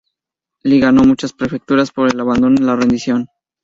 Li ganó muchas prefecturas por el abandono y la rendición.